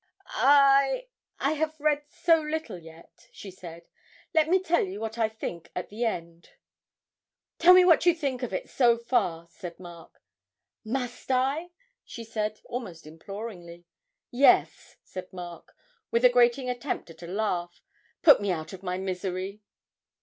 'I I have read so little yet,' she said; 'let me tell you what I think at the end!' 'Tell me what you think of it so far,' said Mark. 'Must I?' she said, almost imploringly. 'Yes,' said Mark, with a grating attempt at a laugh; 'put me out of my misery!'